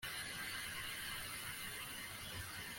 yehova azatuma uhakukira umutima,+ atere amaso yawe guhena